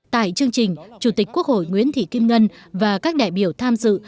tại chương trình chủ tịch quốc hội nguyễn thị kim ngân và các đại biểu tham dự